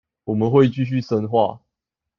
我們會繼續深化